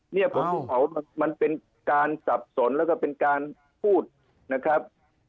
เนี่ยผมพูดเผามันเป็นการสับสนแล้วก็เป็นการพูดนะครับ